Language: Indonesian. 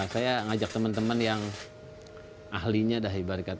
saya ngajak teman teman yang ahlinya